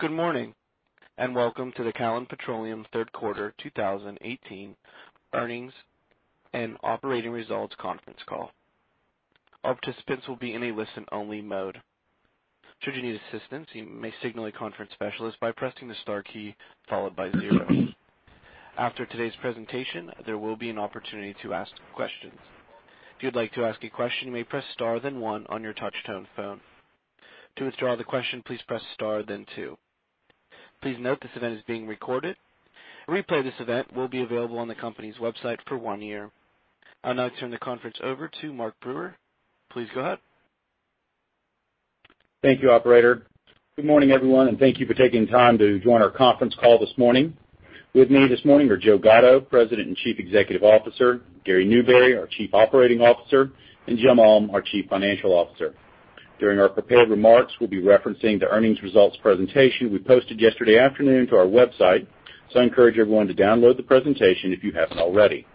Good morning, welcome to the Callon Petroleum third quarter 2018 earnings and operating results conference call. All participants will be in a listen-only mode. Should you need assistance, you may signal a conference specialist by pressing the star key followed by zero. After today's presentation, there will be an opportunity to ask questions. If you'd like to ask a question, you may press star then one on your touch-tone phone. To withdraw the question, please press star then two. Please note this event is being recorded. A replay of this event will be available on the company's website for one year. I'll now turn the conference over to Mark Brewer. Please go ahead. Thank you, operator. Good morning, everyone, thank you for taking time to join our conference call this morning. With me this morning are Joe Gatto, President and Chief Executive Officer, Gary Newberry, our Chief Operating Officer, and Jim Ulm, our Chief Financial Officer. During our prepared remarks, we'll be referencing the earnings results presentation we posted yesterday afternoon to our website, I encourage everyone to download the presentation if you haven't already.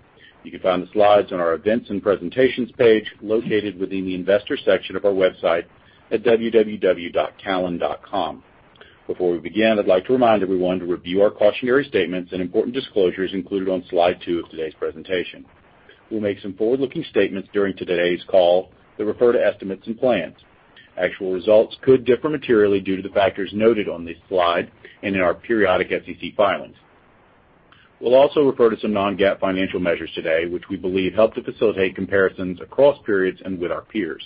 You can find the slides on our Events and Presentations page located within the Investor section of our website at www.callon.com. Before we begin, I'd like to remind everyone to review our cautionary statements and important disclosures included on slide two of today's presentation. We'll make some forward-looking statements during today's call that refer to estimates and plans. Actual results could differ materially due to the factors noted on this slide and in our periodic SEC filings. We'll also refer to some non-GAAP financial measures today, which we believe help to facilitate comparisons across periods and with our peers.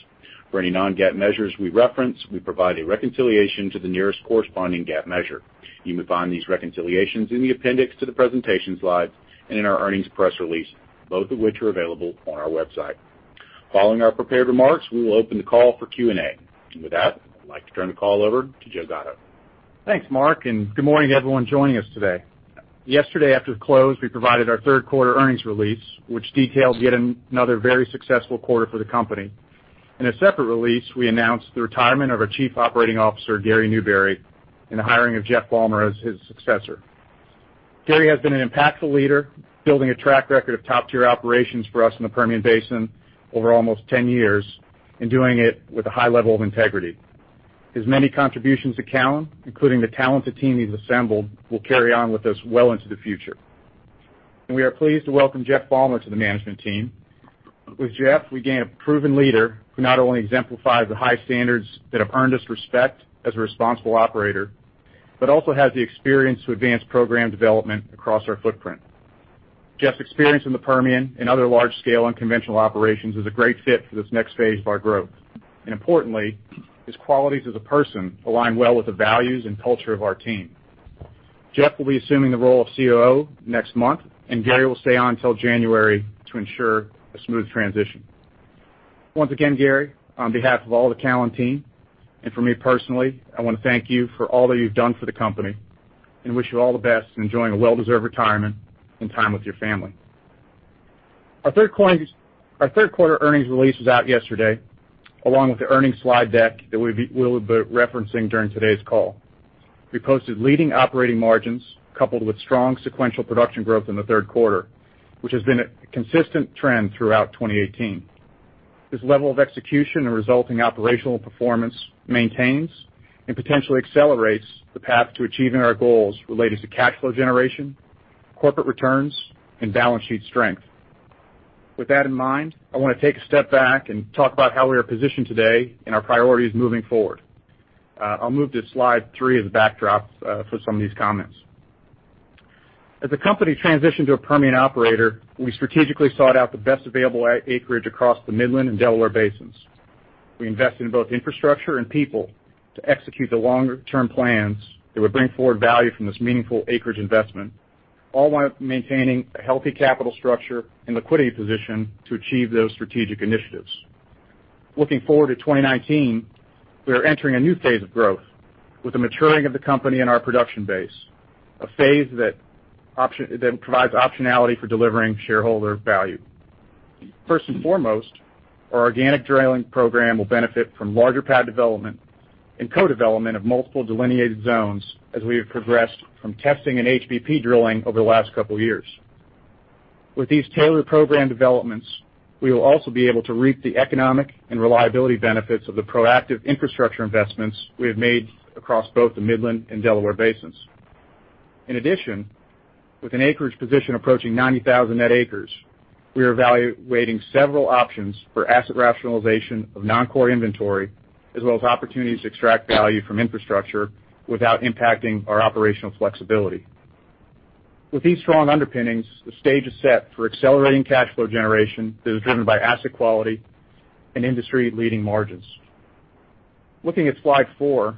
For any non-GAAP measures we reference, we provide a reconciliation to the nearest corresponding GAAP measure. You may find these reconciliations in the appendix to the presentation slides and in our earnings press release, both of which are available on our website. Following our prepared remarks, we will open the call for Q&A. With that, I'd like to turn the call over to Joe Gatto. Thanks, Mark, good morning to everyone joining us today. Yesterday after the close, we provided our third quarter earnings release, which detailed yet another very successful quarter for the company. In a separate release, we announced the retirement of our Chief Operating Officer, Gary Newberry, and the hiring of Jeff Balmer as his successor. Gary has been an impactful leader, building a track record of top-tier operations for us in the Permian Basin over almost 10 years, and doing it with a high level of integrity. His many contributions to Callon, including the talented team he's assembled, will carry on with us well into the future. We are pleased to welcome Jeff Balmer to the management team. With Jeff, we gain a proven leader who not only exemplifies the high standards that have earned us respect as a responsible operator, but also has the experience to advance program development across our footprint. Jeff's experience in the Permian and other large-scale unconventional operations is a great fit for this next phase of our growth. Importantly, his qualities as a person align well with the values and culture of our team. Jeff will be assuming the role of COO next month, and Gary will stay on till January to ensure a smooth transition. Once again, Gary, on behalf of all the Callon team, and from me personally, I want to thank you for all that you've done for the company and wish you all the best in enjoying a well-deserved retirement and time with your family. Our third quarter earnings release was out yesterday, along with the earnings slide deck that we'll be referencing during today's call. We posted leading operating margins coupled with strong sequential production growth in the third quarter, which has been a consistent trend throughout 2018. This level of execution and resulting operational performance maintains and potentially accelerates the path to achieving our goals related to cash flow generation, corporate returns, and balance sheet strength. With that in mind, I want to take a step back and talk about how we are positioned today and our priorities moving forward. I'll move to slide three as a backdrop for some of these comments. As the company transitioned to a Permian operator, we strategically sought out the best available acreage across the Midland and Delaware Basins. We invested in both infrastructure and people to execute the longer-term plans that would bring forward value from this meaningful acreage investment, all while maintaining a healthy capital structure and liquidity position to achieve those strategic initiatives. Looking forward to 2019, we are entering a new phase of growth with the maturing of the company and our production base, a phase that provides optionality for delivering shareholder value. First and foremost, our organic drilling program will benefit from larger pad development and co-development of multiple delineated zones as we have progressed from testing and HBP drilling over the last couple of years. With these tailored program developments, we will also be able to reap the economic and reliability benefits of the proactive infrastructure investments we have made across both the Midland and Delaware Basins. In addition, with an acreage position approaching 90,000 net acres, we are evaluating several options for asset rationalization of non-core inventory, as well as opportunities to extract value from infrastructure without impacting our operational flexibility. With these strong underpinnings, the stage is set for accelerating cash flow generation that is driven by asset quality and industry-leading margins. Looking at slide four,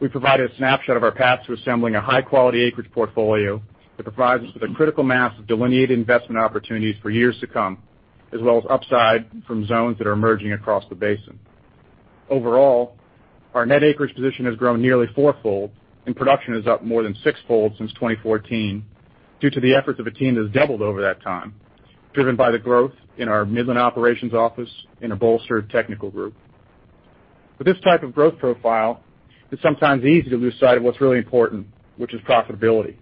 we provide a snapshot of our path to assembling a high-quality acreage portfolio that provides us with a critical mass of delineated investment opportunities for years to come, as well as upside from zones that are emerging across the basin. Overall, our net acreage position has grown nearly fourfold, and production is up more than sixfold since 2014 due to the efforts of a team that has doubled over that time, driven by the growth in our Midland operations office and a bolstered technical group. With this type of growth profile, it's sometimes easy to lose sight of what's really important, which is profitability.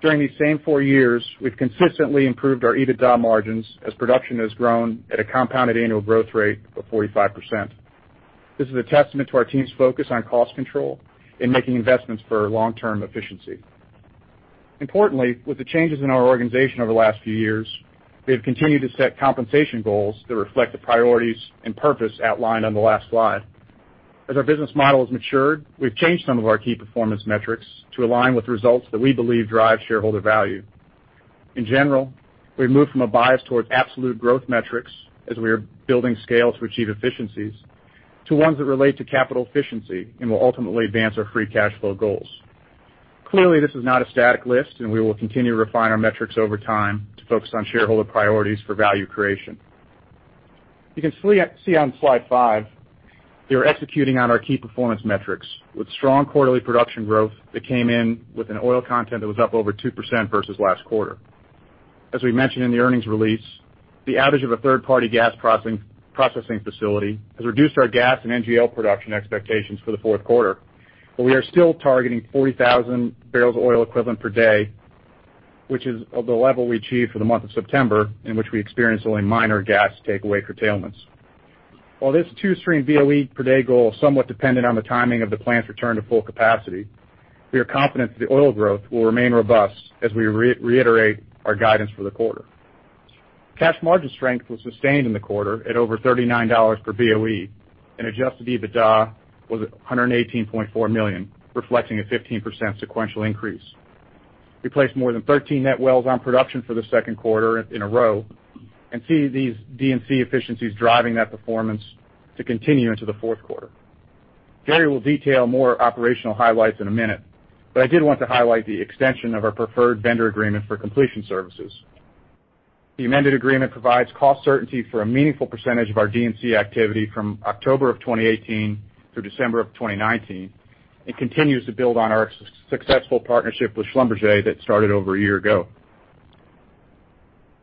During these same four years, we've consistently improved our EBITDA margins as production has grown at a compounded annual growth rate of 45%. This is a testament to our team's focus on cost control in making investments for long-term efficiency. Importantly, with the changes in our organization over the last few years, we have continued to set compensation goals that reflect the priorities and purpose outlined on the last slide. As our business model has matured, we've changed some of our key performance metrics to align with results that we believe drive shareholder value. In general, we've moved from a bias towards absolute growth metrics, as we are building scale to achieve efficiencies, to ones that relate to capital efficiency and will ultimately advance our free cash flow goals. Clearly, this is not a static list, we will continue to refine our metrics over time to focus on shareholder priorities for value creation. You can see on slide five that we are executing on our key performance metrics with strong quarterly production growth that came in with an oil content that was up over 2% versus last quarter. As we mentioned in the earnings release, the outage of a third-party gas processing facility has reduced our gas and NGL production expectations for the fourth quarter, we are still targeting 40,000 barrels of oil equivalent per day, which is the level we achieved for the month of September, in which we experienced only minor gas takeaway curtailments. While this two-stream BOE per day goal is somewhat dependent on the timing of the plant's return to full capacity, we are confident that the oil growth will remain robust as we reiterate our guidance for the quarter. Cash margin strength was sustained in the quarter at over $39 per BOE, adjusted EBITDA was $118.4 million, reflecting a 15% sequential increase. We placed more than 13 net wells on production for the second quarter in a row, see these D&C efficiencies driving that performance to continue into the fourth quarter. Gary will detail more operational highlights in a minute, I did want to highlight the extension of our preferred vendor agreement for completion services. The amended agreement provides cost certainty for a meaningful percentage of our D&C activity from October of 2018 through December of 2019, continues to build on our successful partnership with Schlumberger that started over a year ago.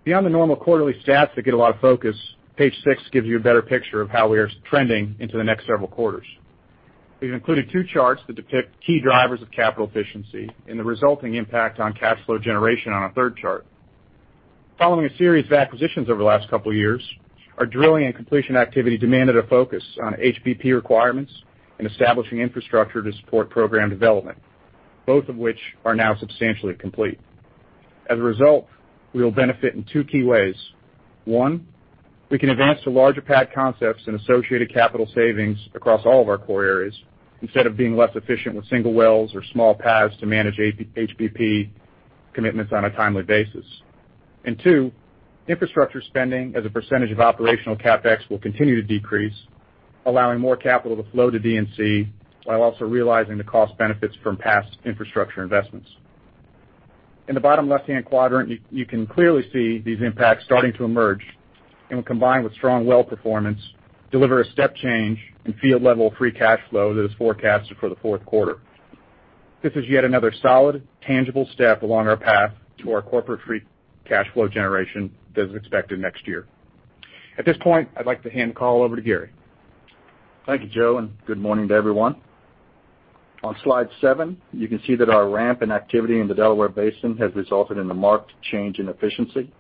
Beyond the normal quarterly stats that get a lot of focus, page six gives you a better picture of how we are trending into the next several quarters. We've included two charts that depict key drivers of capital efficiency and the resulting impact on cash flow generation on a third chart. Following a series of acquisitions over the last couple of years, our drilling and completion activity demanded a focus on HBP requirements and establishing infrastructure to support program development, both of which are now substantially complete. As a result, we will benefit in two key ways. One, we can advance to larger pad concepts and associated capital savings across all of our core areas instead of being less efficient with single wells or small pads to manage HBP commitments on a timely basis. Two, infrastructure spending as a percentage of operational CapEx will continue to decrease, allowing more capital to flow to D&C while also realizing the cost benefits from past infrastructure investments. In the bottom left-hand quadrant, you can clearly see these impacts starting to emerge, and when combined with strong well performance, deliver a step change in field-level free cash flow that is forecasted for the fourth quarter. This is yet another solid, tangible step along our path to our corporate free cash flow generation that is expected next year. At this point, I'd like to hand the call over to Gary. Thank you, Joe, and good morning to everyone. On slide seven, you can see that our ramp in activity in the Delaware Basin has resulted in a marked change in efficiency.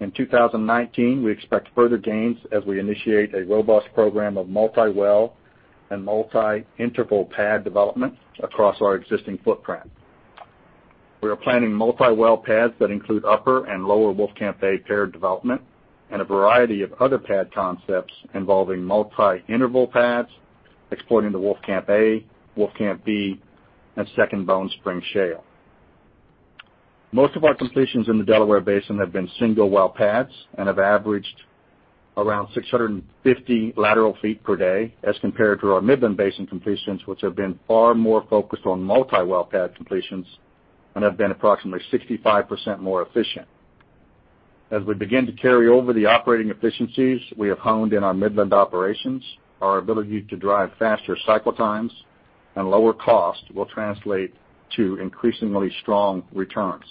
In 2019, we expect further gains as we initiate a robust program of multi-well and multi-interval pad development across our existing footprint. We are planning multi-well pads that include upper and Lower Wolfcamp A paired development and a variety of other pad concepts involving multi-interval pads exploiting the Wolfcamp A, Wolfcamp B, and Second Bone Spring shale. Most of our completions in the Delaware Basin have been single well pads and have averaged around 650 lateral feet per day as compared to our Midland Basin completions, which have been far more focused on multi-well pad completions and have been approximately 65% more efficient. As we begin to carry over the operating efficiencies we have honed in our Midland operations, our ability to drive faster cycle times and lower cost will translate to increasingly strong returns.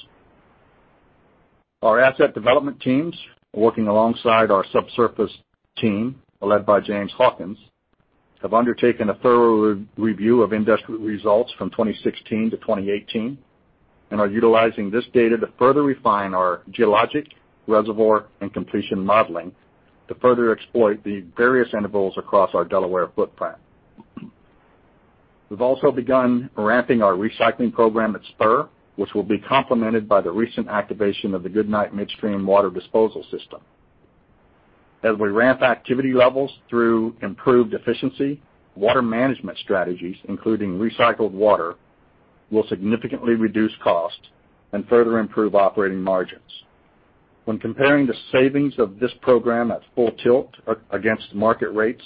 Our asset development teams, working alongside our subsurface team, led by James Hawkins, have undertaken a thorough review of industrial results from 2016 to 2018 and are utilizing this data to further refine our geologic, reservoir, and completion modeling to further exploit the various intervals across our Delaware footprint. We've also begun ramping our recycling program at Spur, which will be complemented by the recent activation of the Goodnight Midstream water disposal system. As we ramp activity levels through improved efficiency, water management strategies, including recycled water, will significantly reduce cost and further improve operating margins. When comparing the savings of this program at full tilt against market rates,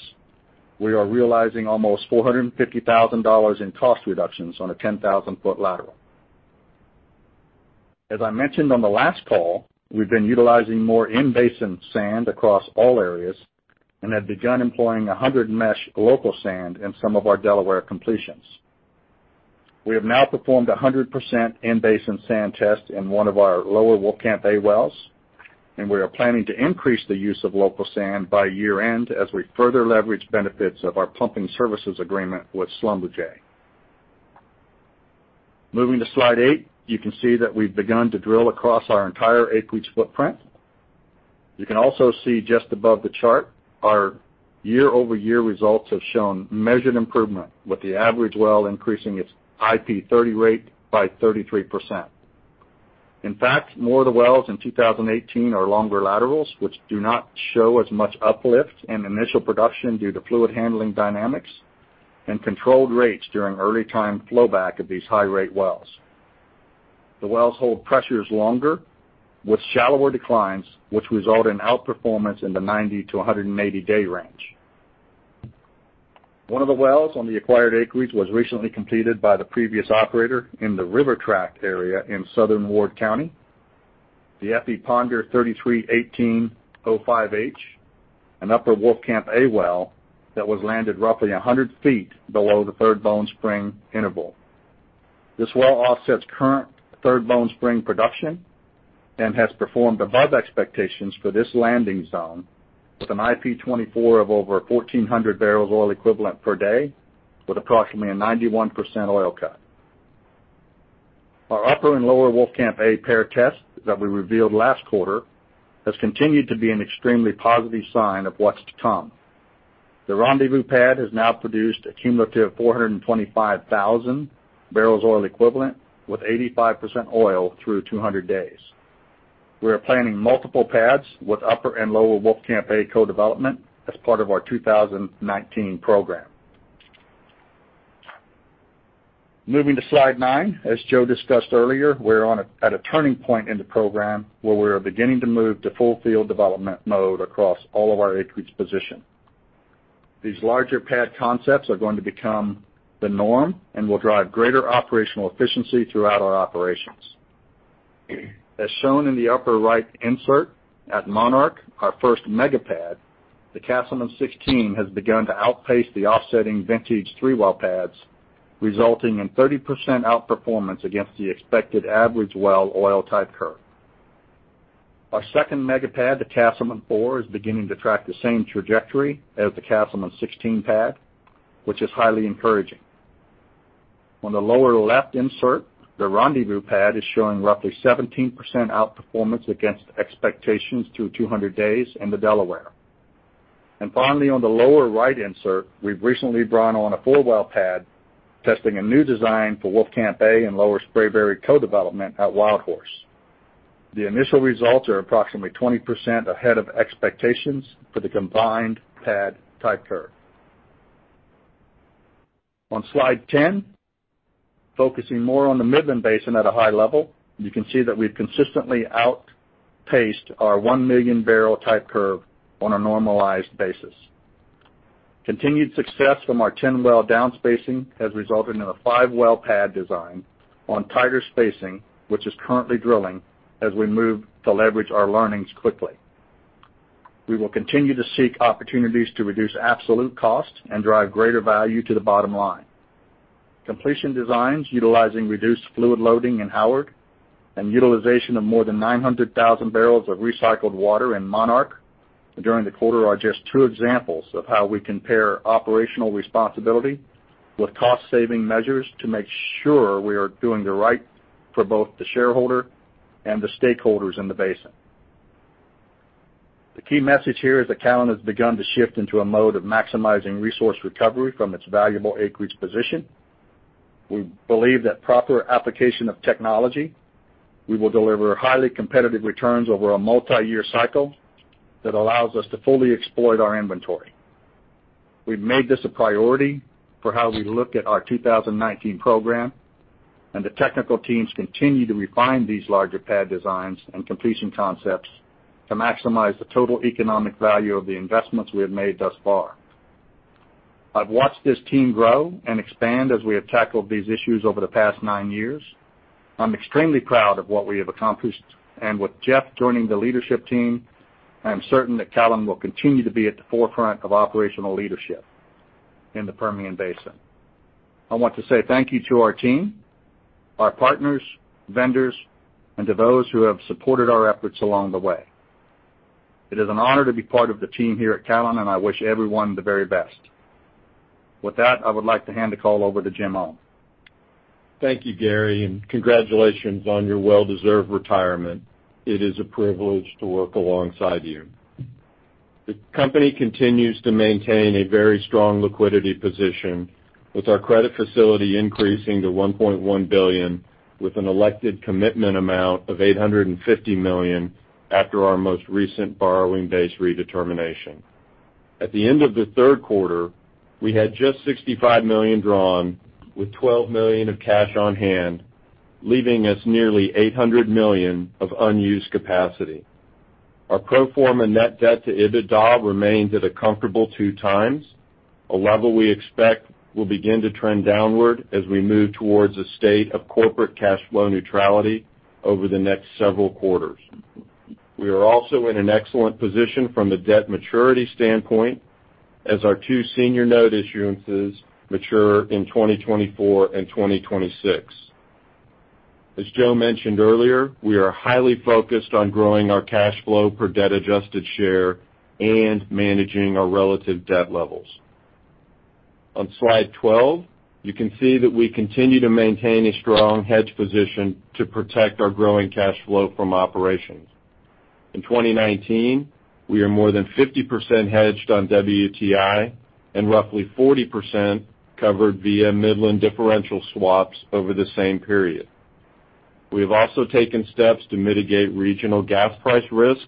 we are realizing almost $450,000 in cost reductions on a 10,000-foot lateral. As I mentioned on the last call, we've been utilizing more in-basin sand across all areas and have begun employing 100 mesh local sand in some of our Delaware completions. We have now performed 100% in-basin sand test in one of our Lower Wolfcamp A wells. And we are planning to increase the use of local sand by year-end as we further leverage benefits of our pumping services agreement with Schlumberger. Moving to slide eight, you can see that we've begun to drill across our entire acreage footprint. You can also see just above the chart, our year-over-year results have shown measured improvement, with the average well increasing its IP 30 rate by 33%. In fact, more of the wells in 2018 are longer laterals, which do not show as much uplift in initial production due to fluid handling dynamics and controlled rates during early time flowback of these high rate wells. The wells hold pressures longer with shallower declines, which result in outperformance in the 90-180-day range. One of the wells on the acquired acreage was recently completed by the previous operator in the River Track area in Southern Ward County. The F. E. Ponder 3318-05H, an Upper Wolfcamp A well that was landed roughly 100 feet below the Third Bone Spring interval. This well offsets current Third Bone Spring production and has performed above expectations for this landing zone, with an IP 24 of over 1,400 barrels oil equivalent per day with approximately a 91% oil cut. Our Upper and Lower Wolfcamp A pair test that we revealed last quarter has continued to be an extremely positive sign of what's to come. The Rendezvous pad has now produced a cumulative 425,000 barrels oil equivalent with 85% oil through 200 days. We are planning multiple pads with Upper and Lower Wolfcamp A co-development as part of our 2019 program. Moving to slide nine. As Joe discussed earlier, we're at a turning point in the program where we are beginning to move to full field development mode across all of our acreage position. These larger pad concepts are going to become the norm and will drive greater operational efficiency throughout our operations. As shown in the upper right insert at Monarch, our first mega pad, the Casselman 16 has begun to outpace the offsetting vintage three-well pads, resulting in 30% outperformance against the expected average well oil type curve. Our second mega pad, the Casselman 4, is beginning to track the same trajectory as the Casselman 16 pad, which is highly encouraging. On the lower left insert, the Rendezvous pad is showing roughly 17% outperformance against expectations through 200 days in the Delaware. On the lower right insert, we've recently drawn on a four-well pad, testing a new design for Wolfcamp A and Lower Spraberry co-development at Wild Horse. The initial results are approximately 20% ahead of expectations for the combined pad type curve. On slide 10, focusing more on the Midland Basin at a high level, you can see that we've consistently outpaced our 1 million barrel type curve on a normalized basis. Continued success from our 10-well down spacing has resulted in a five-well pad design on tighter spacing, which is currently drilling as we move to leverage our learnings quickly. We will continue to seek opportunities to reduce absolute costs and drive greater value to the bottom line. Completion designs utilizing reduced fluid loading in Howard, and utilization of more than 900,000 barrels of recycled water in Monarch during the quarter are just two examples of how we compare operational responsibility with cost-saving measures to make sure we are doing the right for both the shareholder and the stakeholders in the basin. The key message here is that Callon has begun to shift into a mode of maximizing resource recovery from its valuable acreage position. We believe that proper application of technology, we will deliver highly competitive returns over a multiyear cycle that allows us to fully exploit our inventory. We've made this a priority for how we look at our 2019 program. The technical teams continue to refine these larger pad designs and completion concepts to maximize the total economic value of the investments we have made thus far. I've watched this team grow and expand as we have tackled these issues over the past nine years. I'm extremely proud of what we have accomplished. With Jeff joining the leadership team, I am certain that Callon will continue to be at the forefront of operational leadership in the Permian Basin. I want to say thank you to our team, our partners, vendors, and to those who have supported our efforts along the way. It is an honor to be part of the team here at Callon, I wish everyone the very best. With that, I would like to hand the call over to Jim Ulm. Thank you, Gary. Congratulations on your well-deserved retirement. It is a privilege to work alongside you. The company continues to maintain a very strong liquidity position with our credit facility increasing to $1.1 billion with an elected commitment amount of $850 million after our most recent borrowing base redetermination. At the end of the third quarter, we had just $65 million drawn with $12 million of cash on hand, leaving us nearly $800 million of unused capacity. Our pro forma net debt to EBITDA remains at a comfortable two times, a level we expect will begin to trend downward as we move towards a state of corporate cash flow neutrality over the next several quarters. We are also in an excellent position from the debt maturity standpoint, as our two senior note issuances mature in 2024 and 2026. As Joe mentioned earlier, we are highly focused on growing our cash flow per debt adjusted share and managing our relative debt levels. On slide 12, you can see that we continue to maintain a strong hedge position to protect our growing cash flow from operations. In 2019, we are more than 50% hedged on WTI and roughly 40% covered via Midland differential swaps over the same period. We have also taken steps to mitigate regional gas price risk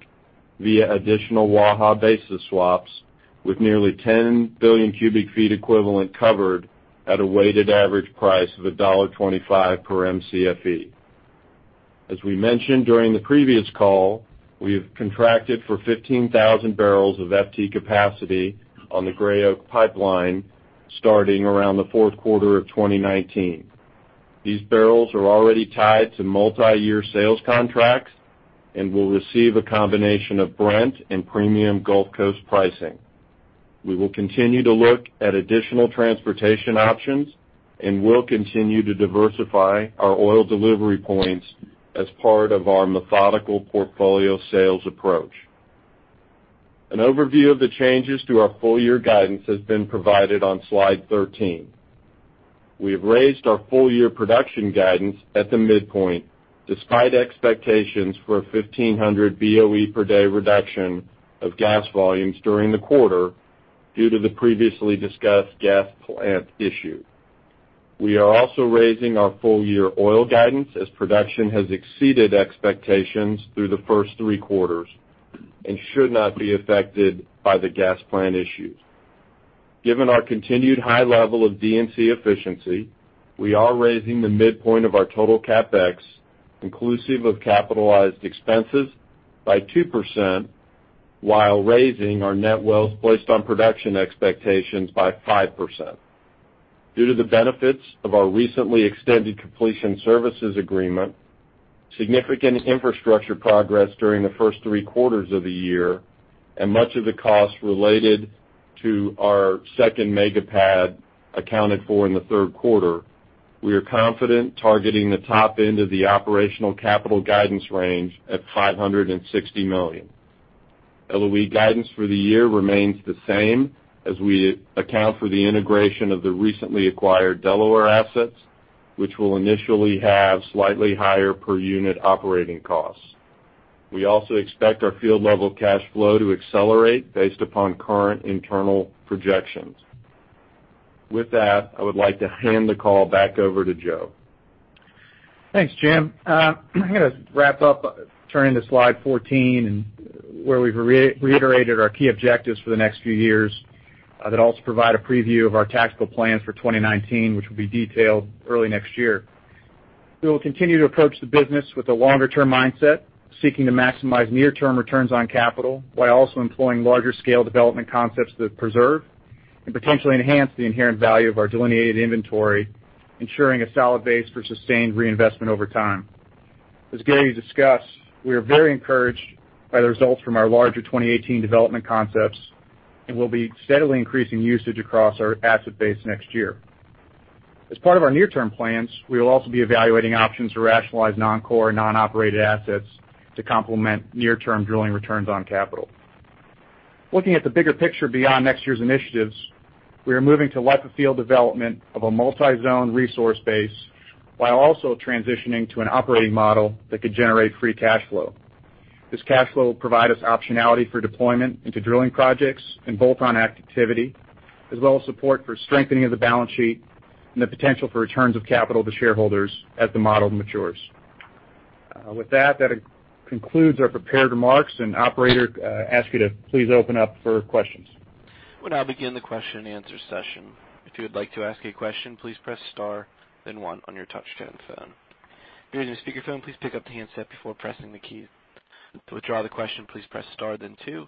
via additional Waha basis swaps with nearly 10 billion cubic feet equivalent covered at a weighted average price of $1.25 per Mcfe. As we mentioned during the previous call, we have contracted for 15,000 barrels of FT capacity on the Gray Oak Pipeline starting around the fourth quarter of 2019. These barrels are already tied to multi-year sales contracts and will receive a combination of Brent and premium Gulf Coast pricing. We will continue to look at additional transportation options and will continue to diversify our oil delivery points as part of our methodical portfolio sales approach. An overview of the changes to our full-year guidance has been provided on slide 13. We have raised our full-year production guidance at the midpoint, despite expectations for 1,500 BOE per day reduction of gas volumes during the quarter due to the previously discussed gas plant issue. We are also raising our full-year oil guidance as production has exceeded expectations through the first three quarters and should not be affected by the gas plant issues. Given our continued high level of D&C efficiency, we are raising the midpoint of our total CapEx inclusive of capitalized expenses by 2%, while raising our net wells placed on production expectations by 5%. Due to the benefits of our recently extended completion services agreement, significant infrastructure progress during the first three quarters of the year, and much of the cost related to our second mega pad accounted for in the third quarter, we are confident targeting the top end of the operational capital guidance range at $560 million. LOE guidance for the year remains the same as we account for the integration of the recently acquired Delaware assets, which will initially have slightly higher per unit operating costs. We also expect our field-level cash flow to accelerate based upon current internal projections. With that, I would like to hand the call back over to Joe. Thanks, Jim. I'm going to wrap up, turning to slide 14, where we've reiterated our key objectives for the next few years that also provide a preview of our tactical plans for 2019, which will be detailed early next year. We will continue to approach the business with a longer-term mindset, seeking to maximize near-term returns on capital, while also employing larger scale development concepts that preserve and potentially enhance the inherent value of our delineated inventory, ensuring a solid base for sustained reinvestment over time. As Gary discussed, we are very encouraged by the results from our larger 2018 development concepts, we'll be steadily increasing usage across our asset base next year. As part of our near-term plans, we will also be evaluating options to rationalize non-core, non-operated assets to complement near-term drilling returns on capital. Looking at the bigger picture beyond next year's initiatives, we are moving to life-of-field development of a multi-zone resource base, while also transitioning to an operating model that could generate free cash flow. This cash flow will provide us optionality for deployment into drilling projects and bolt-on activity, as well as support for strengthening of the balance sheet and the potential for returns of capital to shareholders as the model matures. With that concludes our prepared remarks. Operator, I ask you to please open up for questions. We'll now begin the question and answer session. If you would like to ask a question, please press star, then one on your touch-tone phone. If you're using a speakerphone, please pick up the handset before pressing the key. To withdraw the question, please press star, then two.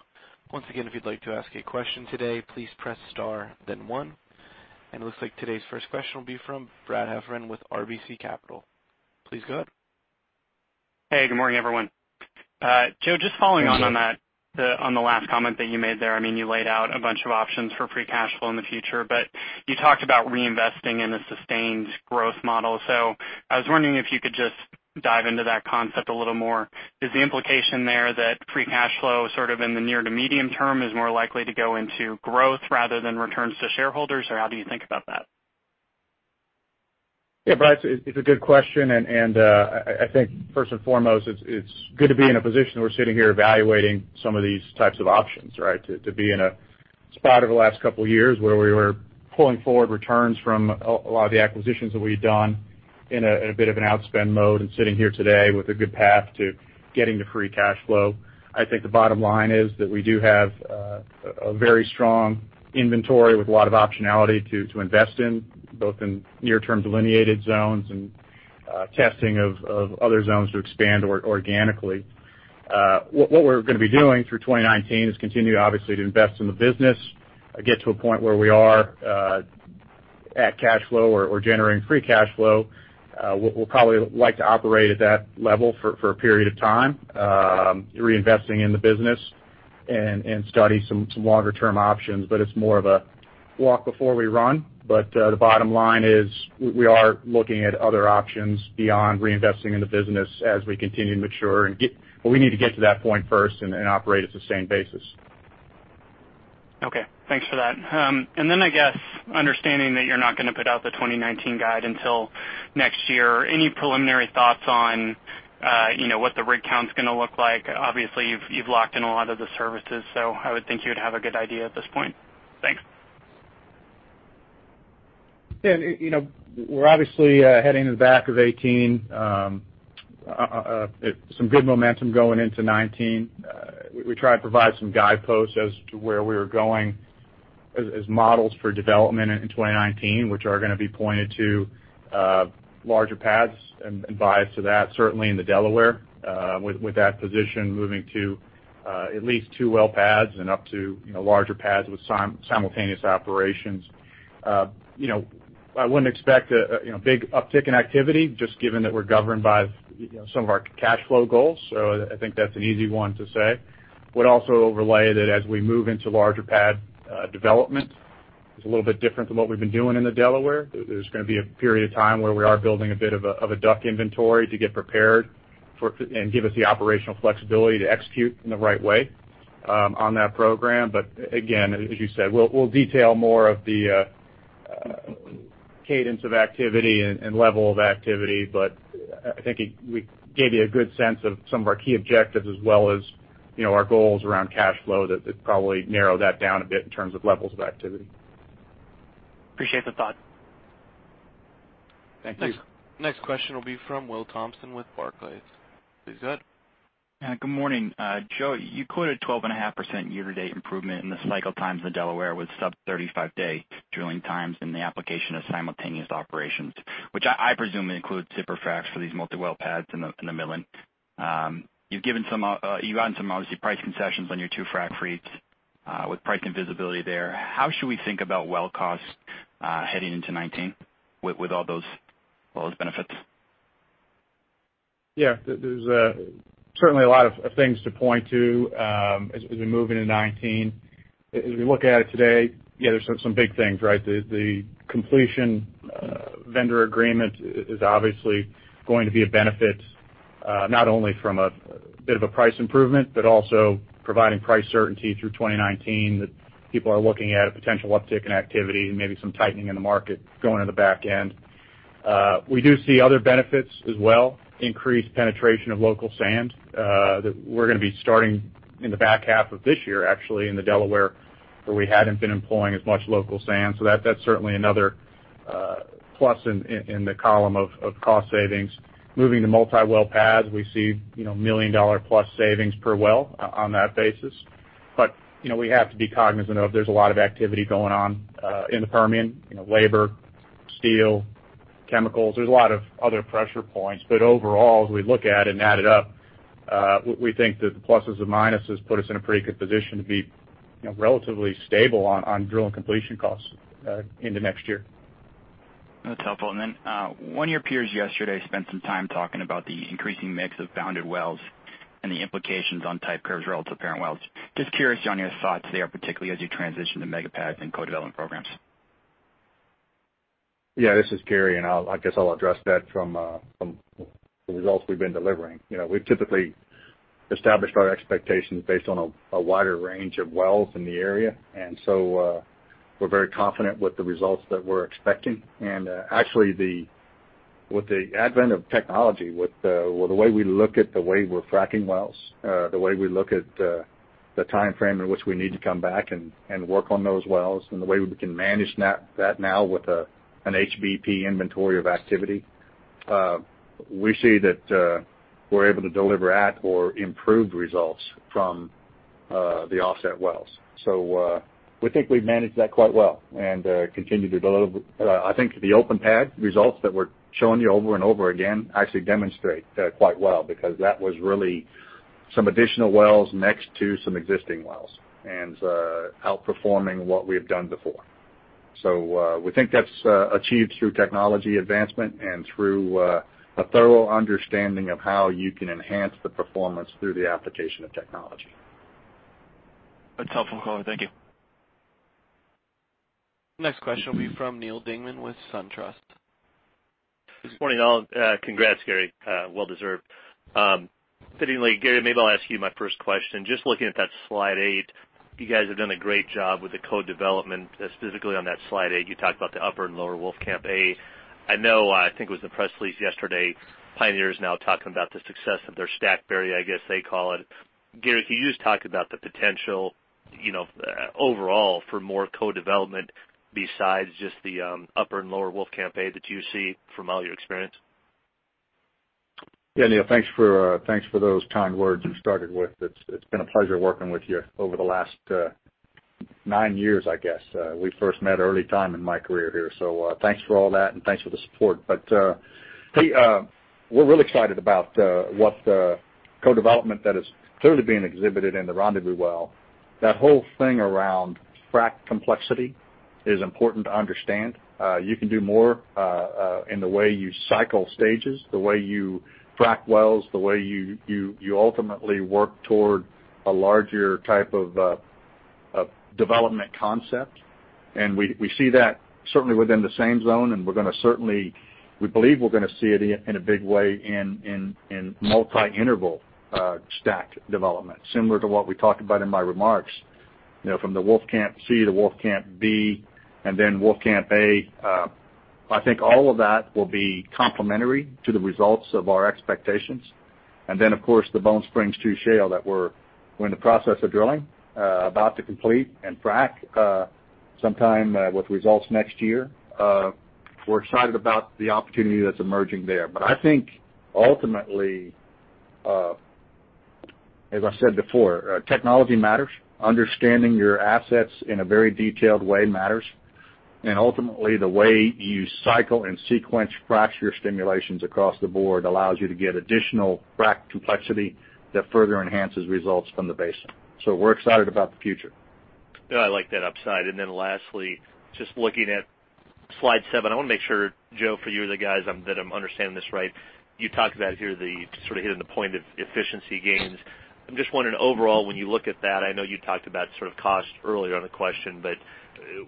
Once again, if you'd like to ask a question today, please press star, then one. It looks like today's first question will be from Brad Heffron with RBC Capital. Please go ahead. Hey, good morning, everyone. Hey, Brad. Joe, just following on the last comment that you made there. You laid out a bunch of options for free cash flow in the future, but you talked about reinvesting in a sustained growth model. I was wondering if you could just dive into that concept a little more. Is the implication there that free cash flow sort of in the near to medium term is more likely to go into growth rather than returns to shareholders? How do you think about that? Yeah, Brad, it's a good question. I think first and foremost, it's good to be in a position where we're sitting here evaluating some of these types of options, right? To be in a spot over the last couple of years where we were pulling forward returns from a lot of the acquisitions that we had done in a bit of an outspend mode. Sitting here today with a good path to getting to free cash flow. I think the bottom line is that we do have a very strong inventory with a lot of optionality to invest in, both in near-term delineated zones and testing of other zones to expand organically. What we're going to be doing through 2019 is continue, obviously, to invest in the business, get to a point where we are at cash flow or generating free cash flow. We'll probably like to operate at that level for a period of time, reinvesting in the business and study some longer-term options, but it's more of a walk before we run. The bottom line is, we are looking at other options beyond reinvesting in the business as we continue to mature and get. We need to get to that point first and operate at a sustained basis. Okay. Thanks for that. Then, I guess, understanding that you're not going to put out the 2019 guide until next year, any preliminary thoughts on what the rig count's going to look like? Obviously, you've locked in a lot of the services, so I would think you would have a good idea at this point. Thanks. Yeah. We're obviously heading to the back of 2018. Some good momentum going into 2019. We try to provide some guideposts as to where we are going as models for development in 2019, which are going to be pointed to larger pads and bias to that, certainly in the Delaware, with that position moving to at least 2 well pads and up to larger pads with simultaneous operations. I wouldn't expect a big uptick in activity, just given that we're governed by some of our cash flow goals. I think that's an easy one to say. Would also overlay that as we move into larger pad development, it's a little bit different than what we've been doing in the Delaware. There's going to be a period of time where we are building a bit of a DUC inventory to get prepared and give us the operational flexibility to execute in the right way on that program. Again, as you said, we'll detail more of the cadence of activity and level of activity, I think we gave you a good sense of some of our key objectives as well as our goals around cash flow that probably narrow that down a bit in terms of levels of activity. Appreciate the thought. Thank you. Next question will be from Will Thompson with Barclays. Please go ahead. Good morning. Joe, you quoted 12.5% year-to-date improvement in the cycle times in the Delaware with sub 35-day drilling times and the application of simultaneous operations, which I presume includes zipper fracs for these multi-well pads in the Midland. You've given some, obviously, price concessions on your two frac fleets with price and visibility there. How should we think about well costs heading into 2019 with all those benefits? Yeah. There's certainly a lot of things to point to as we move into 2019. As we look at it today, yeah, there's some big things, right? The completion vendor agreement is obviously going to be a benefit not only from a bit of a price improvement, but also providing price certainty through 2019 that people are looking at a potential uptick in activity and maybe some tightening in the market going to the back end. We do see other benefits as well, increased penetration of local sand, that we're going to be starting in the back half of this year, actually, in the Delaware, where we hadn't been employing as much local sand. That's certainly another plus in the column of cost savings. Moving to multi-well pads, we see $1 million-plus savings per well on that basis. We have to be cognizant of there's a lot of activity going on in the Permian, labor, steel, chemicals. There's a lot of other pressure points. Overall, as we look at it and add it up, we think that the pluses and minuses put us in a pretty good position to be relatively stable on D&C costs into next year. That's helpful. One of your peers yesterday spent some time talking about the increasing mix of bounded wells and the implications on type curves relative to parent wells. I'm just curious on your thoughts there, particularly as you transition to mega pads and co-development programs. Yeah. This is Gary. I guess I'll address that from the results we've been delivering. We've typically established our expectations based on a wider range of wells in the area. We're very confident with the results that we're expecting. Actually, with the advent of technology, with the way we look at the way we're fracking wells, the way we look at the timeframe in which we need to come back and work on those wells, and the way we can manage that now with an HBP inventory of activity, we see that we're able to deliver at or improved results from the offset wells. We think we've managed that quite well and continue to deliver I think the open pad results that we're showing you over and over again actually demonstrate that quite well because that was really some additional wells next to some existing wells, and outperforming what we have done before. We think that's achieved through technology advancement and through a thorough understanding of how you can enhance the performance through the application of technology. That's helpful. Thank you. Next question will be from Neal Dingmann with SunTrust. Good morning, all. Congrats, Gary. Well deserved. Fittingly, Gary, maybe I'll ask you my first question. Just looking at that slide eight, you guys have done a great job with the co-development. Specifically on that slide eight, you talked about the Upper and Lower Wolfcamp A. I know, I think it was the press release yesterday, Pioneer is now talking about the success of their Stackberry, I guess they call it. Gary, can you just talk about the potential overall for more co-development besides just the Upper and Lower Wolfcamp A that you see from all your experience? Yeah, Neal, thanks for those kind words you started with. It's been a pleasure working with you over the last nine years, I guess. We first met early time in my career here, thanks for all that and thanks for the support. We're really excited about what the co-development that is clearly being exhibited in the Rendezvous well, that whole thing around frac complexity is important to understand. You can do more in the way you cycle stages, the way you frack wells, the way you ultimately work toward a larger type of development concept. We see that certainly within the same zone, we believe we're going to see it in a big way in multi-interval stack development, similar to what we talked about in my remarks. From the Wolfcamp C to Wolfcamp B Wolfcamp A, I think all of that will be complementary to the results of our expectations. Of course, the Second Bone Spring shale that we're in the process of drilling, about to complete and frack sometime with results next year. We're excited about the opportunity that's emerging there. I think ultimately, as I said before, technology matters. Understanding your assets in a very detailed way matters. Ultimately, the way you cycle and sequence fracture stimulations across the board allows you to get additional frac complexity that further enhances results from the basin. We're excited about the future. Yeah, I like that upside. Lastly, just looking at slide seven, I want to make sure, Joe, for you or the guys, that I'm understanding this right. You talked about here the hitting the point of efficiency gains. I'm just wondering, overall, when you look at that, I know you talked about cost earlier on a question, but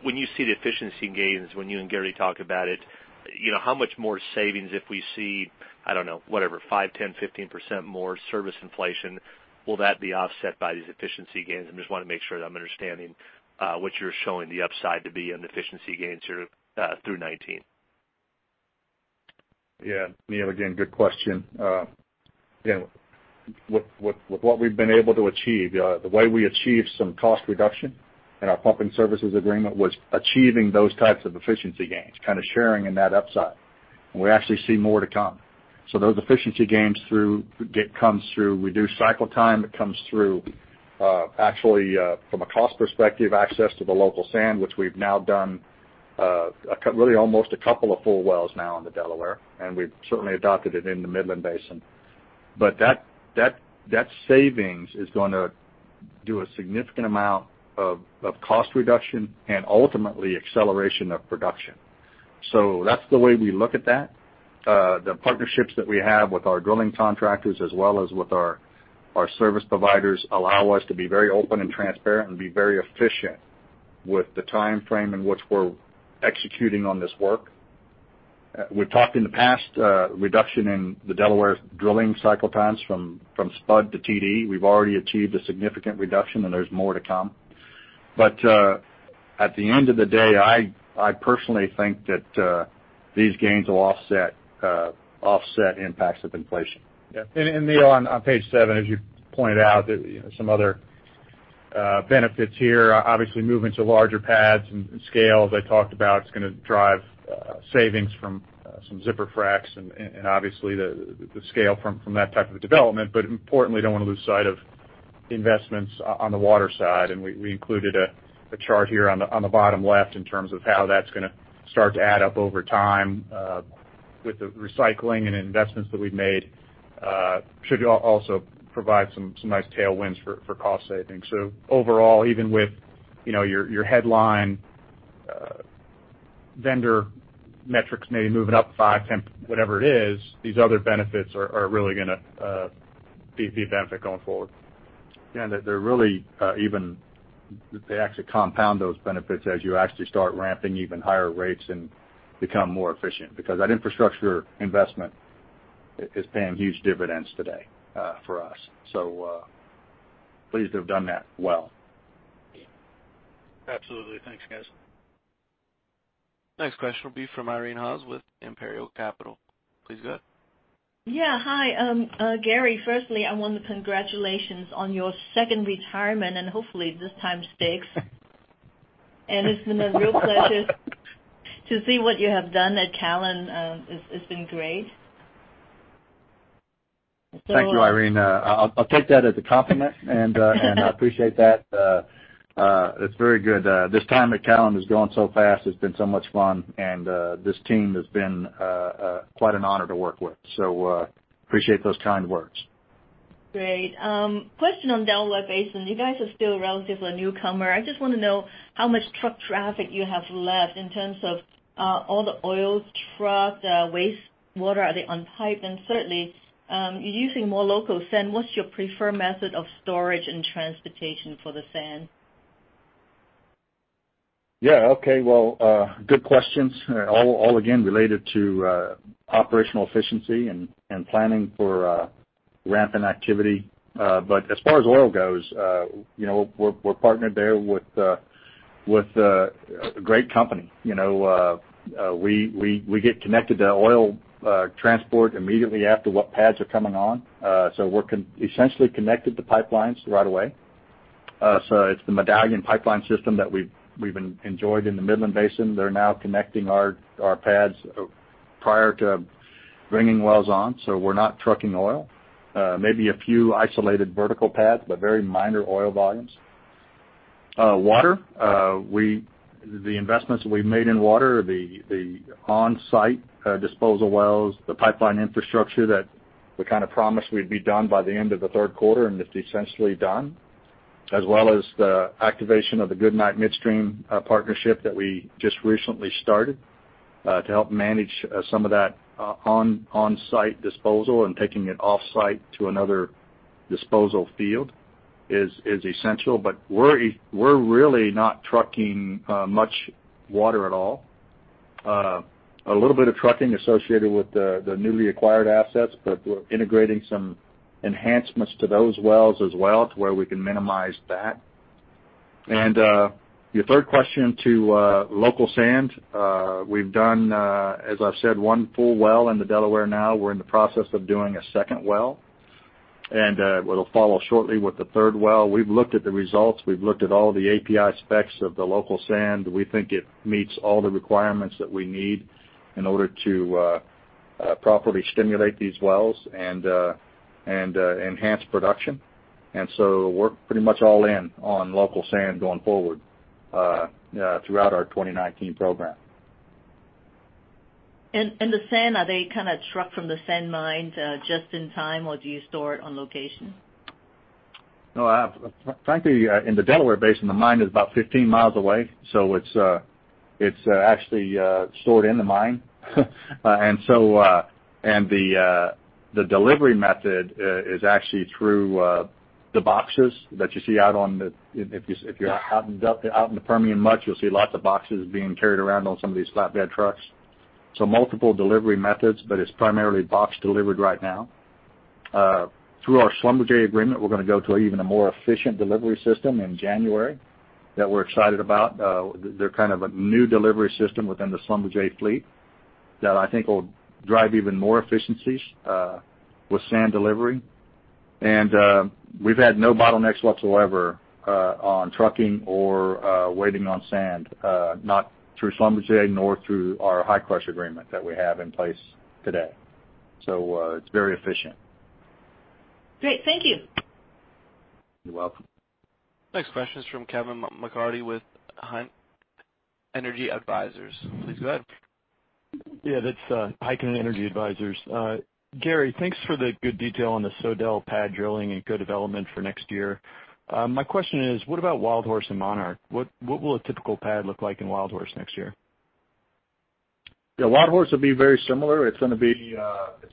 when you see the efficiency gains, when you and Gary talk about it, how much more savings if we see, I don't know, whatever, five, 10, 15% more service inflation, will that be offset by these efficiency gains? I just want to make sure that I'm understanding what you're showing the upside to be on efficiency gains here through 2019. Yeah. Neal, again, good question. Again, with what we've been able to achieve, the way we achieved some cost reduction in our pumping services agreement was achieving those types of efficiency gains, sharing in that upside. We actually see more to come. Those efficiency gains comes through reduced cycle time. It comes through, actually, from a cost perspective, access to the local sand, which we've now done really almost a couple of full wells now in the Delaware, and we've certainly adopted it in the Midland Basin. That savings is going to do a significant amount of cost reduction and ultimately acceleration of production. That's the way we look at that. The partnerships that we have with our drilling contractors as well as with our service providers allow us to be very open and transparent and be very efficient with the timeframe in which we're executing on this work. We've talked in the past reduction in the Delaware drilling cycle times from spud to TD. We've already achieved a significant reduction, and there's more to come. At the end of the day, I personally think that these gains will offset impacts of inflation. Yeah. Neal, on page seven, as you pointed out, some other benefits here. Obviously, moving to larger pads and scale, as I talked about, is going to drive savings from some zipper fracs and obviously the scale from that type of development. Importantly, don't want to lose sight of investments on the water side, and we included a chart here on the bottom left in terms of how that's going to start to add up over time with the recycling and investments that we've made should also provide some nice tailwinds for cost savings. Overall, even with your headline vendor metrics maybe moving up five, 10, whatever it is, these other benefits are really going to be a benefit going forward. Yeah, they actually compound those benefits as you actually start ramping even higher rates and become more efficient. That infrastructure investment is paying huge dividends today for us. Pleased to have done that well. Absolutely. Thanks, guys. Next question will be from Irene Haas with Imperial Capital. Please go ahead. Yeah. Hi. Gary, firstly, I want to congratulations on your second retirement, hopefully this time sticks. It's been a real pleasure to see what you have done at Callon. It's been great. Thank you, Irene. I'll take that as a compliment, and I appreciate that. It's very good. This time at Callon has gone so fast. It's been so much fun, and this team has been quite an honor to work with. Appreciate those kind words. Great. Question on Delaware Basin. You guys are still relatively a newcomer. I just want to know how much truck traffic you have left in terms of all the oil trucks, wastewater, are they on pipe? Certainly, you're using more local sand. What's your preferred method of storage and transportation for the sand? Yeah. Okay. Well, good questions. All again related to operational efficiency and planning for ramping activity. As far as oil goes, we're partnered there with a great company. We get connected to oil transport immediately after what pads are coming on. We're essentially connected to pipelines right away. It's the Medallion pipeline system that we've enjoyed in the Midland Basin. They're now connecting our pads prior to bringing wells on. We're not trucking oil. Maybe a few isolated vertical pads, but very minor oil volumes. Water, the investments we've made in water, the on-site disposal wells, the pipeline infrastructure that we kind of promised we'd be done by the end of the third quarter, and it's essentially done, as well as the activation of the Goodnight Midstream partnership that we just recently started to help manage some of that on-site disposal and taking it off-site to another disposal field is essential. We're really not trucking much water at all. A little bit of trucking associated with the newly acquired assets, but we're integrating some enhancements to those wells as well to where we can minimize that. Your third question to local sand. We've done, as I've said, one full well in the Delaware now. We're in the process of doing a second well, and it'll follow shortly with the third well. We've looked at the results. We've looked at all the API specs of the local sand. We think it meets all the requirements that we need in order to properly stimulate these wells and enhance production. We're pretty much all in on local sand going forward throughout our 2019 program. Are they kind of trucked from the sand mines just in time, or do you store it on location? No, frankly, in the Delaware Basin, the mine is about 15 miles away, so it's actually stored in the mine. The delivery method is actually through the boxes that you see. If you're out in the Permian much, you'll see lots of boxes being carried around on some of these flatbed trucks. Multiple delivery methods, but it's primarily box delivered right now. Through our Schlumberger agreement, we're going to go to an even more efficient delivery system in January that we're excited about. They're kind of a new delivery system within the Schlumberger fleet that I think will drive even more efficiencies with sand delivery. We've had no bottlenecks whatsoever on trucking or waiting on sand, not through Schlumberger nor through our Hi-Crush agreement that we have in place today. It's very efficient. Great. Thank you. You're welcome. Next question is from Kevin McCarty with Heikkinen Energy Advisors. Please go ahead. Yeah, that's Heikkinen Energy Advisors. Gary, thanks for the good detail on the Spur pad drilling and co-development for next year. My question is, what about Wildhorse and Monarch? What will a typical pad look like in Wildhorse next year? Yeah, Wildhorse will be very similar. It's going to be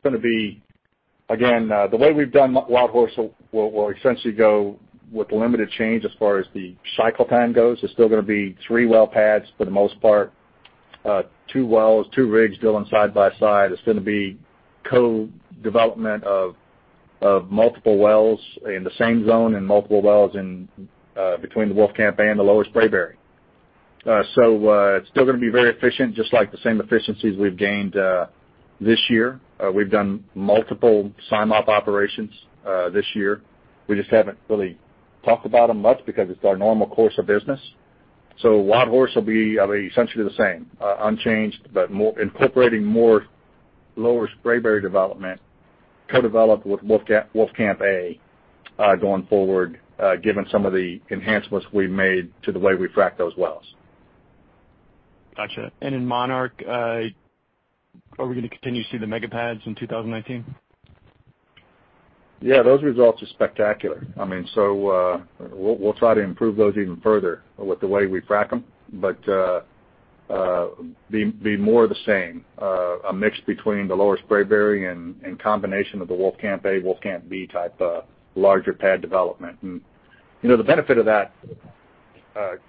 the way we've done Wildhorse will essentially go with limited change as far as the cycle time goes. It's still going to be three well pads for the most part. Two wells, two rigs drilling side by side. It's going to be co-development of multiple wells in the same zone and multiple wells between the Wolfcamp A and the Lower Spraberry. It's still going to be very efficient, just like the same efficiencies we've gained this year. We've done multiple sim-ops operations this year. We just haven't really talked about them much because it's our normal course of business. Wildhorse will be essentially the same, unchanged, but incorporating more Lower Spraberry development co-developed with Wolfcamp A going forward, given some of the enhancements we've made to the way we frac those wells. Got you. In Monarch, are we going to continue to see the mega pads in 2019? Yeah, those results are spectacular. We'll try to improve those even further with the way we frac them, but be more the same, a mix between the Lower Spraberry and combination of the Wolfcamp A, Wolfcamp B type larger pad development. The benefit of that,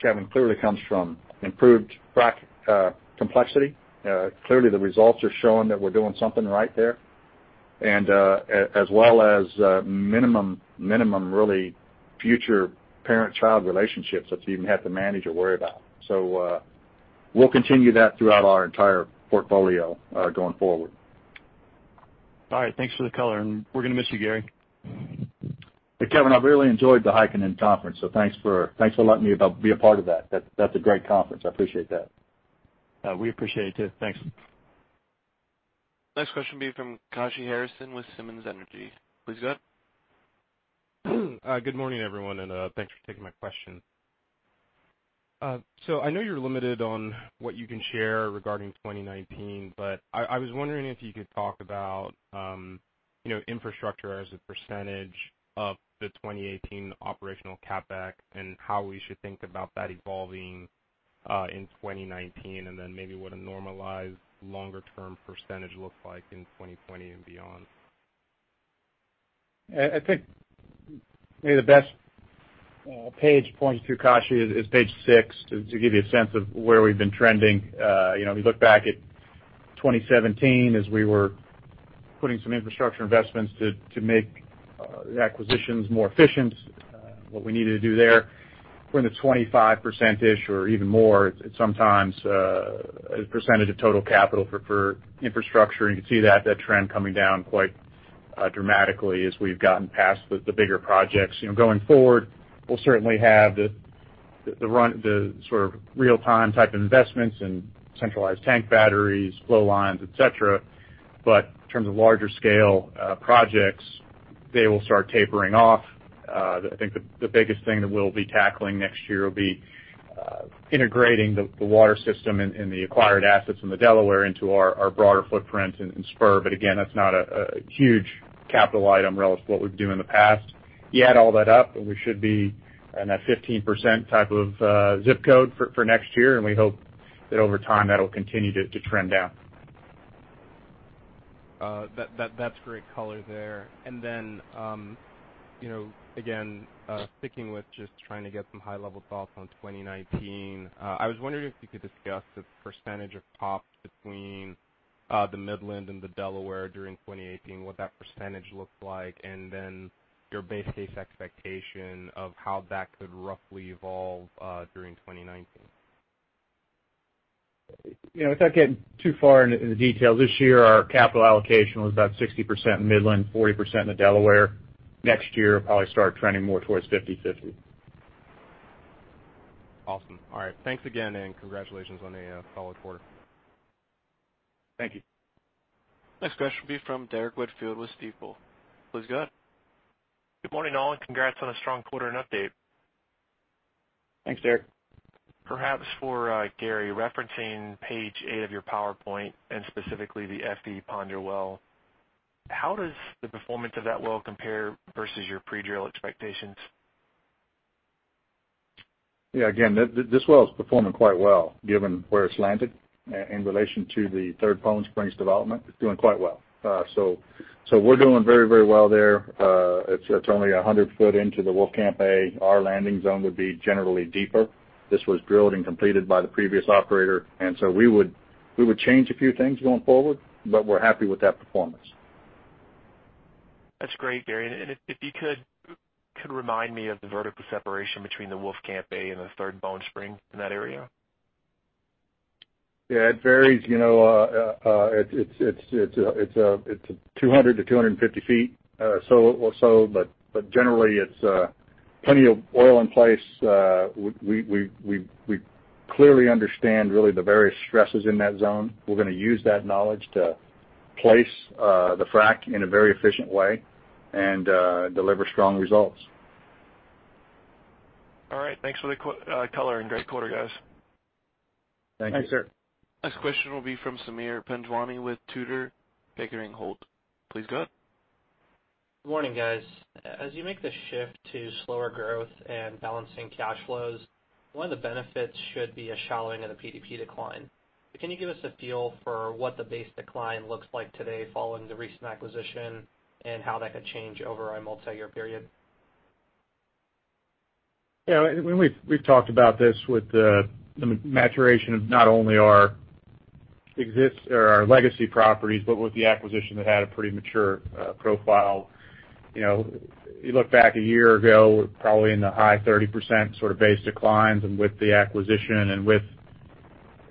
Kevin, clearly comes from improved frac complexity. Clearly, the results are showing that we're doing something right there, and as well as minimum really future parent-child relationships that you even have to manage or worry about. We'll continue that throughout our entire portfolio going forward. All right. Thanks for the color, and we're going to miss you, Gary. Hey, Kevin, I've really enjoyed the Heikkinen conference, so thanks for letting me be a part of that. That's a great conference. I appreciate that. We appreciate it too. Thanks. Next question will be from Kashy Harrison with Simmons Energy. Please go ahead. Good morning, everyone, and thanks for taking my question. I know you're limited on what you can share regarding 2019, but I was wondering if you could talk about infrastructure as a percentage of the 2018 operational CapEx and how we should think about that evolving in 2019, and then maybe what a normalized longer-term percentage looks like in 2020 and beyond. I think maybe the best page to point you to, Kashy, is page six, to give you a sense of where we've been trending. If you look back at 2017, as we were putting some infrastructure investments to make the acquisitions more efficient, what we needed to do there, we're in the 25%-ish or even more sometimes a percentage of total capital for infrastructure. You can see that trend coming down quite dramatically as we've gotten past the bigger projects. Going forward, we'll certainly have the sort of real-time type investments in centralized tank batteries, flow lines, et cetera. In terms of larger scale projects. They will start tapering off. I think the biggest thing that we'll be tackling next year will be integrating the water system and the acquired assets from the Delaware into our broader footprint in Spur. Again, that's not a huge capital item relative to what we've done in the past. You add all that up, and we should be in a 15% type of ZIP code for next year, and we hope that over time, that'll continue to trend down. That's great color there. Again, sticking with just trying to get some high-level thoughts on 2019, I was wondering if you could discuss the % of POP between the Midland and the Delaware during 2018, what that % looks like, and your base case expectation of how that could roughly evolve during 2019. Without getting too far into the details, this year, our capital allocation was about 60% in Midland, 40% in the Delaware. Next year, it'll probably start trending more towards 50/50. Awesome. All right. Thanks again, and congratulations on a solid quarter. Thank you. Next question will be from Derrick Whitfield with Stifel. Please go ahead. Good morning, all. Congrats on a strong quarter and update. Thanks, Derrick. Perhaps for Gary, referencing page eight of your PowerPoint, and specifically the F. E. Ponder well, how does the performance of that well compare versus your pre-drill expectations? Again, this well is performing quite well, given where it's landed in relation to the Third Bone Spring development. It's doing quite well. We're doing very well there. It's only 100 foot into the Wolfcamp A. Our landing zone would be generally deeper. This was drilled and completed by the previous operator, we would change a few things going forward, but we're happy with that performance. That's great, Gary. If you could remind me of the vertical separation between the Wolfcamp A and the Third Bone Spring in that area? It varies. It's 200 to 250 feet, or so, generally, it's plenty of oil in place. We clearly understand really the various stresses in that zone. We're going to use that knowledge to place the frack in a very efficient way and deliver strong results. All right. Thanks for the color. Great quarter, guys. Thank you. Next question will be from Sameer Panjwani with Tudor, Pickering, Holt & Co. Please go ahead. Good morning, guys. As you make the shift to slower growth and balancing cash flows, one of the benefits should be a shallowing of the PDP decline. Can you give us a feel for what the base decline looks like today following the recent acquisition and how that could change over a multi-year period? Yeah. We've talked about this with the maturation of not only our legacy properties, but with the acquisition that had a pretty mature profile. You look back a year ago, probably in the high 30% sort of base declines, and with the acquisition and with,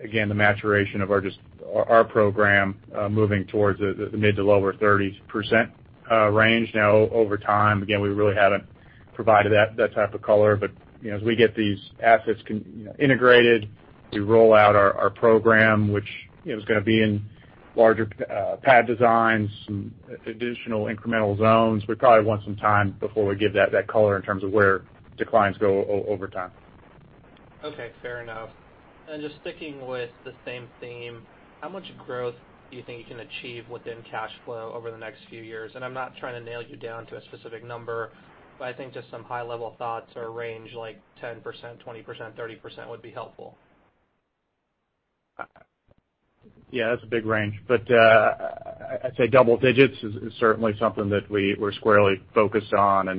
again, the maturation of our program moving towards the mid to lower 30% range now over time. Again, we really haven't provided that type of color. As we get these assets integrated, we roll out our program, which is going to be in larger pad designs and additional incremental zones. We probably want some time before we give that color in terms of where declines go over time. Okay. Fair enough. Just sticking with the same theme, how much growth do you think you can achieve within cash flow over the next few years? I'm not trying to nail you down to a specific number, but I think just some high-level thoughts or a range like 10%, 20%, 30% would be helpful. Yeah. That's a big range, I'd say double digits is certainly something that we're squarely focused on.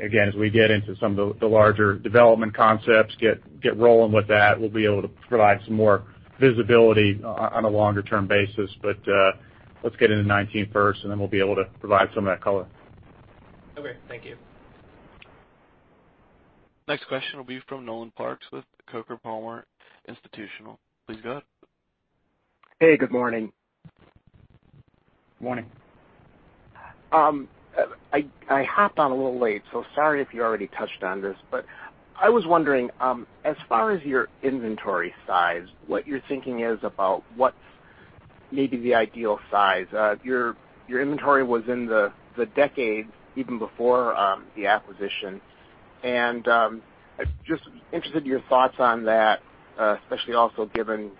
Again, as we get into some of the larger development concepts, get rolling with that, we'll be able to provide some more visibility on a longer-term basis. Let's get into 2019 first, then we'll be able to provide some of that color. Okay. Thank you. Next question will be from Nolan Parks with Coker Palmer Institutional. Please go ahead. Hey, good morning. Morning. I hopped on a little late, sorry if you already touched on this, but I was wondering, as far as your inventory size, what your thinking is about what's maybe the ideal size. Your inventory was in the decades even before the acquisition. Just interested in your thoughts on that, especially also given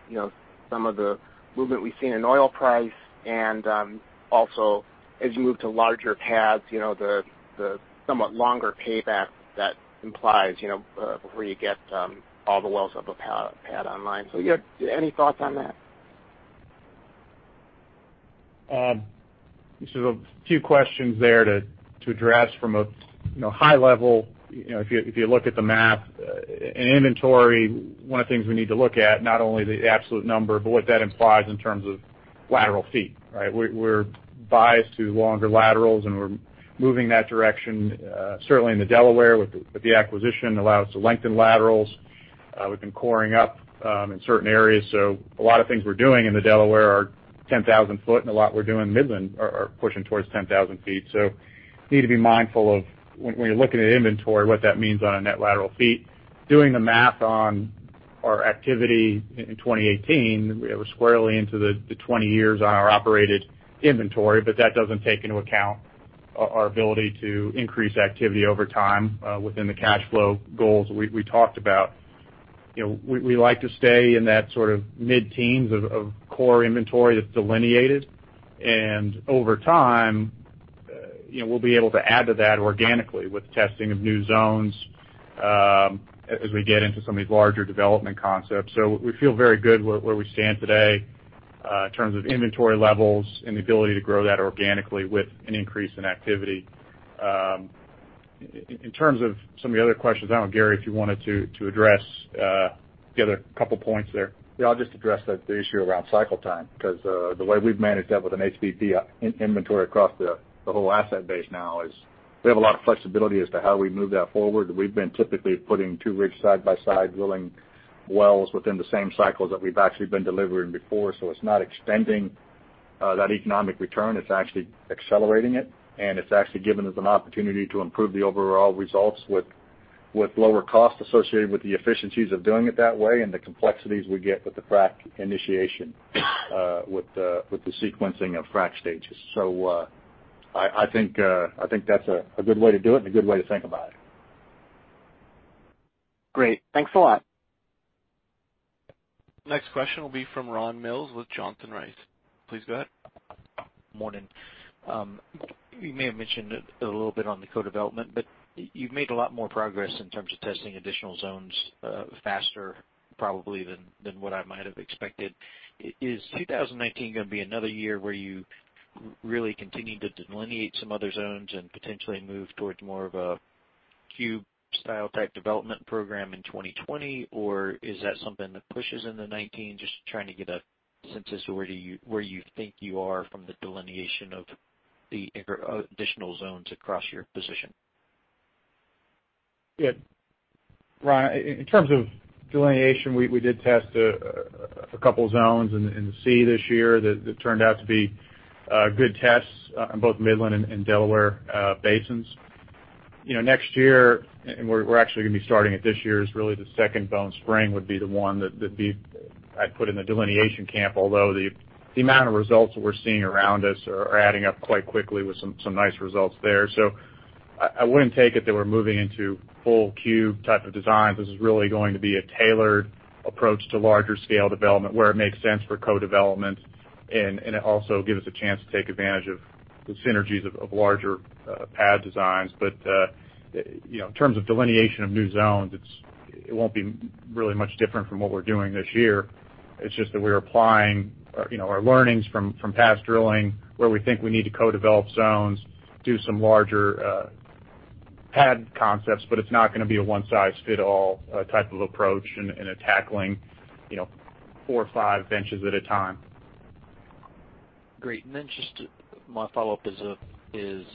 some of the movement we've seen in oil price, and also as you move to larger pads, the somewhat longer payback that implies before you get all the wells of a pad online. Any thoughts on that? A few questions there to address from a high level. If you look at the map, in inventory, one of the things we need to look at, not only the absolute number, but what that implies in terms of lateral feet, right? We're biased to longer laterals, and we're moving that direction, certainly in the Delaware with the acquisition allow us to lengthen laterals. We've been coring up in certain areas, a lot of things we're doing in the Delaware are 10,000 foot, and a lot we're doing in Midland are pushing towards 10,000 feet. Need to be mindful of when you're looking at inventory, what that means on a net lateral feet. Doing the math on Our activity in 2018, we're squarely into the 20 years on our operated inventory, that doesn't take into account our ability to increase activity over time within the cash flow goals we talked about. We like to stay in that mid-teens of core inventory that's delineated, over time, we'll be able to add to that organically with testing of new zones as we get into some of these larger development concepts. We feel very good where we stand today in terms of inventory levels and the ability to grow that organically with an increase in activity. In terms of some of the other questions, I don't know, Gary, if you wanted to address the other couple points there. I'll just address the issue around cycle time, because the way we've managed that with an HBP inventory across the whole asset base now is we have a lot of flexibility as to how we move that forward. We've been typically putting two rigs side by side, drilling wells within the same cycles that we've actually been delivering before. It's not extending that economic return. It's actually accelerating it, and it's actually giving us an opportunity to improve the overall results with lower costs associated with the efficiencies of doing it that way and the complexities we get with the frac initiation with the sequencing of frac stages. I think that's a good way to do it and a good way to think about it. Great. Thanks a lot. Next question will be from Ron Mills with Johnson Rice. Please go ahead. Morning. You may have mentioned a little bit on the co-development, but you've made a lot more progress in terms of testing additional zones faster probably than what I might have expected. Is 2019 going to be another year where you really continue to delineate some other zones and potentially move towards more of a cube style type development program in 2020? Or is that something that pushes into 2019? Just trying to get a sense as to where you think you are from the delineation of the additional zones across your position. Ron, in terms of delineation, we did test a couple zones in C this year that turned out to be good tests in both Midland and Delaware Basins. Next year, we're actually going to be starting it this year, is really the Second Bone Spring would be the one that'd be, I'd put in the delineation camp, although the amount of results that we're seeing around us are adding up quite quickly with some nice results there. I wouldn't take it that we're moving into full cube type of designs. This is really going to be a tailored approach to larger scale development where it makes sense for co-development, and it also gives us a chance to take advantage of the synergies of larger pad designs. In terms of delineation of new zones, it won't be really much different from what we're doing this year. It's just that we're applying our learnings from past drilling where we think we need to co-develop zones, do some larger pad concepts, but it's not going to be a one-size-fits-all type of approach in a tackling four or five benches at a time. Great. Just my follow-up is a tack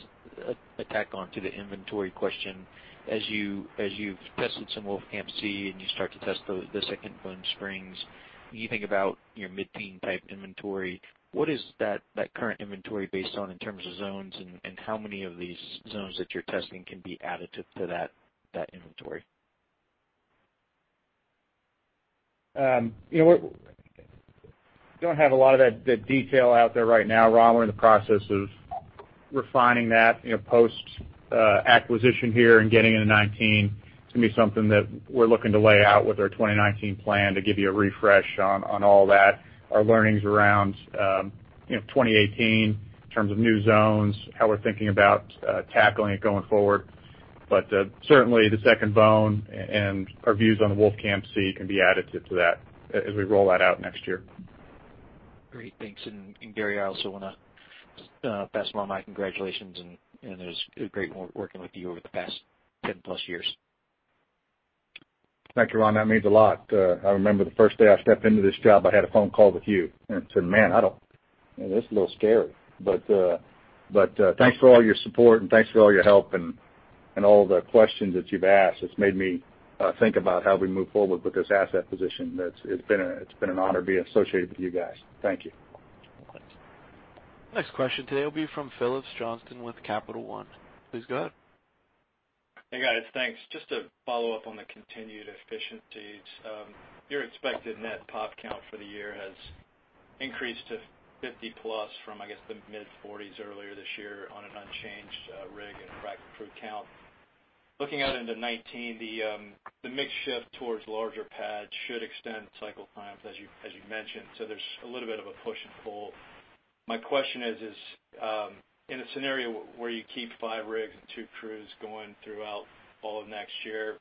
on to the inventory question. As you've tested some Wolfcamp C, and you start to test the Second Bone Spring, you think about your mid-teen type inventory. What is that current inventory based on in terms of zones, and how many of these zones that you're testing can be additive to that inventory? We don't have a lot of that detail out there right now, Ron. We're in the process of refining that post-acquisition here and getting into 2019. It's going to be something that we're looking to lay out with our 2019 plan to give you a refresh on all that. Our learnings around 2018 in terms of new zones, how we're thinking about tackling it going forward. Certainly, the Second Bone and our views on the Wolfcamp C can be additive to that as we roll that out next year. Great. Thanks. Gary, I also want to pass along my congratulations, and it was great working with you over the past 10 plus years. Thank you, Ron. That means a lot. I remember the first day I stepped into this job, I had a phone call with you, and said, "Man, this is a little scary." Thanks for all your support, and thanks for all your help and all the questions that you've asked. It's made me think about how we move forward with this asset position. It's been an honor to be associated with you guys. Thank you. Thanks. Next question today will be from Phillips Johnston with Capital One. Please go ahead. Hey, guys. Thanks. Just to follow up on the continued efficiencies. Your expected net POP count for the year has increased to 50 plus from, I guess, the mid-40s earlier this year on an unchanged rig and frac crew count. Looking out into 2019, the mix shift towards larger pads should extend cycle times, as you mentioned. There's a little bit of a push and pull. My question is, in a scenario where you keep five rigs and two crews going throughout all of next year,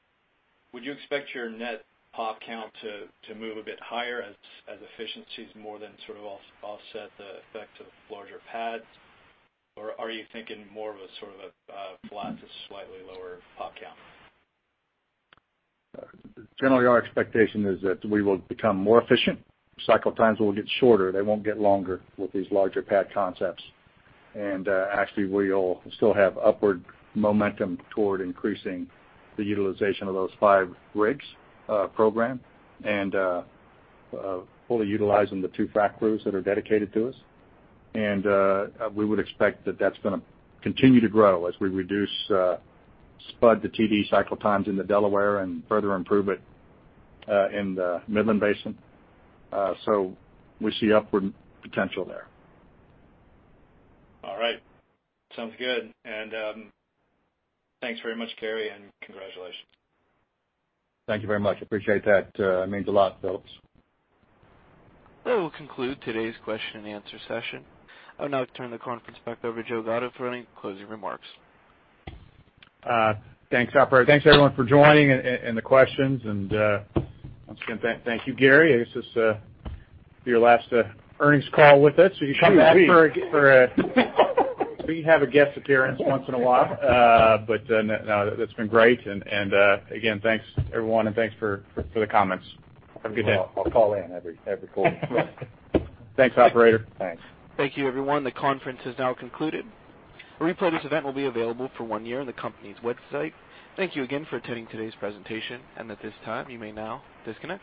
would you expect your net POP count to move a bit higher as efficiencies more than sort of offset the effect of larger pads? Or are you thinking more of a sort of a flat to slightly lower POP count? Generally, our expectation is that we will become more efficient. Cycle times will get shorter. They won't get longer with these larger pad concepts. Actually, we'll still have upward momentum toward increasing the utilization of those 5 rigs program and fully utilizing the 2 frac crews that are dedicated to us. We would expect that that's going to continue to grow as we reduce spud to TD cycle times in the Delaware and further improve it in the Midland Basin. We see upward potential there. All right. Sounds good. Thanks very much, Gary, and congratulations. Thank you very much. Appreciate that. It means a lot, Phillips. That will conclude today's question and answer session. I'll now turn the conference back over to Joe Gatto for any closing remarks. Thanks, operator. Thanks, everyone, for joining and the questions. Once again, thank you, Gary. I guess it's your last earnings call with us. It is indeed. We have a guest appearance once in a while. No, that's been great. Again, thanks, everyone, and thanks for the comments. Have a good day. I'll call in every quarter. Thanks, operator. Thanks. Thank you, everyone. The conference has now concluded. A replay of this event will be available for one year on the company's website. Thank you again for attending today's presentation. At this time, you may now disconnect.